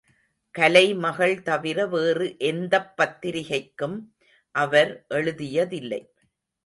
கலைமகள் தவிர வேறு எந்தப் பத்திரிகைக்கும் அவர் எழுதியதில்லை.